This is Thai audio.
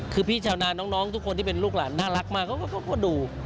คือพี่ชาวนาน้องทุกคนที่เป็นลูกหลานน่ารักมากเขาก็ดู